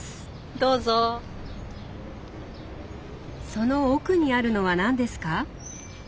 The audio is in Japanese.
その奥にあるのは何ですか？